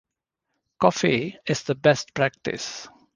Coffee is the best practice.